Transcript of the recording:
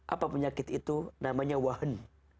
apa penyakit itu namanya wahan